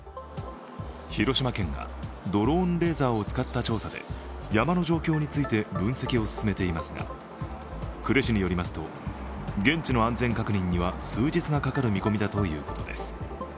広島県がドローンレーザーを使った調査で山の状況について分析を進めていますが、呉市によりますと、現地の安全確認には数日がかかる見込みだということです。